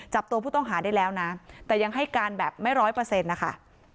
จับตัวผู้ต้องหาได้แล้วนะแต่ยังให้การแบบไม่๑๐๐นะคะ